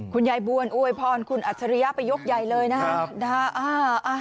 คุณยายบวนอวยพรคุณอาชารณ์ไปยกใหญ่นะ